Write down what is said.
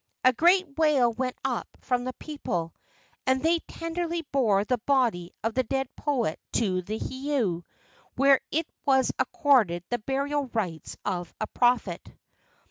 A great wail went up from the people, and they tenderly bore the body of the dead poet to the heiau, where it was accorded the burial rites of a prophet.